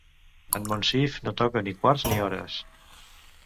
En Monsif no toca ni quarts ni hores.